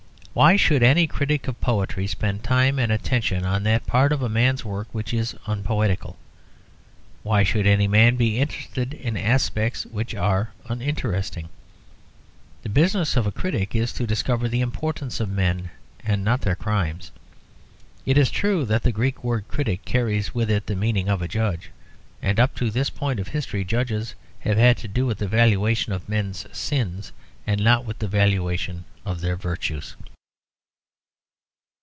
Why should any critic of poetry spend time and attention on that part of a man's work which is unpoetical? Why should any man be interested in aspects which are uninteresting? The business of a critic is to discover the importance of men and not their crimes. It is true that the Greek word critic carries with it the meaning of a judge, and up to this point of history judges have had to do with the valuation of men's sins, and not with the valuation of their virtues.